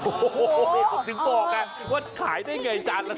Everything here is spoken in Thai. โอ้โหถึงบอกไงว่าขายได้ไงจานละ